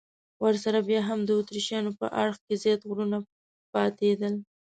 ورسره بیا هم د اتریشیانو په اړخ کې زیات غرونه پاتېدل.